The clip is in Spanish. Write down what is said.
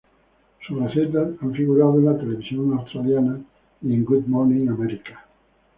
Sus recetas han figurado en la televisión australiana y en Good Morning America.